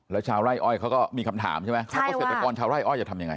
แล้วชาวไร่อ้อยเขาก็มีคำถามใช่ไหมเกษตรกรชาวไร่อ้อยจะทำยังไง